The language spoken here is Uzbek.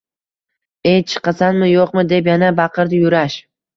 Ey, chiqasanmi-yoʻqmi? – deb yana baqirdi Yurash.